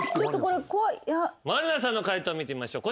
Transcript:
満里奈さんの解答見てみましょう。